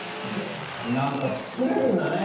何か作れるんだね。